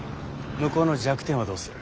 向こうの弱点はどうする？